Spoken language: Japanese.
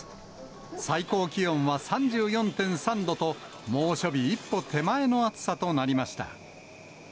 最高気温は３４．３度と、猛暑日一歩手前の暑さとなりました。